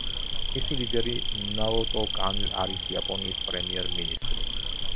მისი ლიდერი ნაოტო კანი არის იაპონიის პრემიერ-მინისტრი.